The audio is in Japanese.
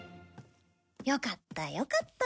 よかったよかった。